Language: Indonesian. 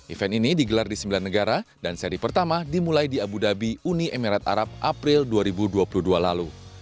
event ini digelar di sembilan negara dan seri pertama dimulai di abu dhabi uni emirat arab april dua ribu dua puluh dua lalu